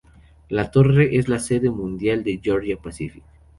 La torre es la sede mundial de Georgia-Pacific.